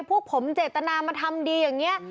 พวกผมเจตนามาทำดีอย่างนี้